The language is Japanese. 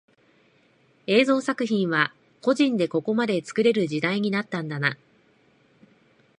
映像作品は個人でここまで作れる時代になったんだな